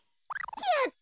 やった！